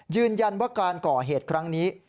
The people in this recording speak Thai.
ยืนยันว่าการก่อเหตุครั้งนี้